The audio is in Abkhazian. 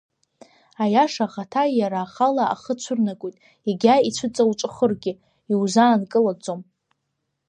Аиаша ахаҭа иара ахала ахы цәырнагоит, егьа ицәыҵауҵәахыргьы, иузаанкылаӡом.